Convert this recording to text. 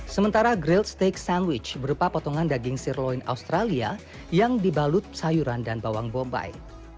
sementara grill steak sandwich berupa potongan daging sirloin australia yang dibalut sayuran dan bawang bombay